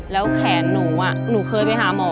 แล้วแขนหนูหนูเคยไปหาหมอ